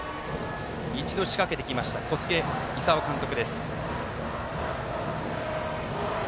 一度、仕掛けてきました小菅勲監督。